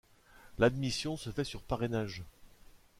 L'admission se fait sur parrainage.